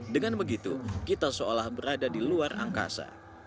dengan begitu kita seolah berada di luar angkasa